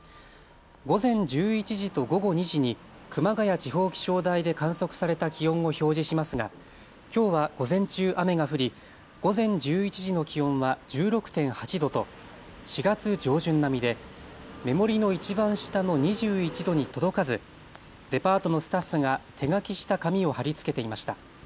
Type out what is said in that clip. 午前１１時と午後２時に熊谷地方気象台で観測された気温を表示しますがきょうは午前中、雨が降り午前１１時の気温は１６．８度と４月上旬並みで目盛りのいちばん下の２１度に届かずデパートのスタッフが手書きした紙を貼り付けていました。